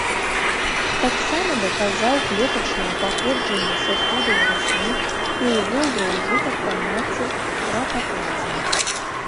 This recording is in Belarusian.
Таксама даказаў клетачнае паходжанне сасудаў раслін і ўвёў ва ўжытак паняцце пратаплазмы.